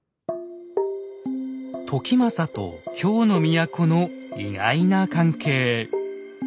時政と京の都の意外な関係。